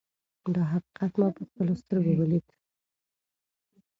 دا حقیقت ما په خپلو سترګو ولید.